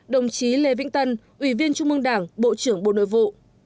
ba mươi đồng chí lê vĩnh tân ủy viên trung mương đảng bộ trưởng bộ nội vụ